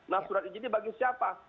nah surat izin ini bagi siapa